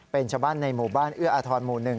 เป็นชาวบ้านในหมู่บ้านเอื้ออาทรหมู่๑